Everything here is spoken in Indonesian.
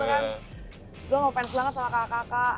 gue mau fans banget sama kakak kakak